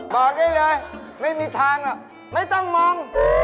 บอกให้เลยไม่มีทางไม่ต้องมอง